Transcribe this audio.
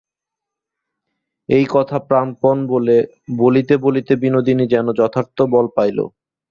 এই কথা প্রাণপণ বলে বলিতে বলিতে বিনোদিনী যেন যথার্থ বল পাইল।